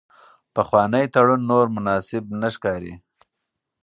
پخوانی تړون نور مناسب نه ښکاري.